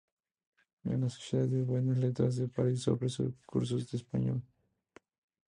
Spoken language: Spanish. En la Sociedad de Buenas Letras de París ofrece cursos de español.